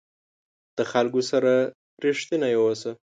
د خلکو سره رښتینی اوسه.